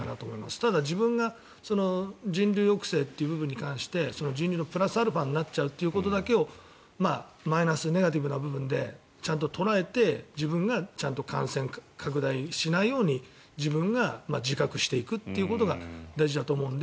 ただ自分が人流抑制という部分に関して人流のプラスアルファになっちゃうことだけを考えてマイナス、ネガティブな部分でちゃんと捉えて自分がちゃんと感染拡大しないように自分が自覚していくことが大事だと思うので。